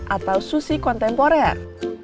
atau sushi kontemporer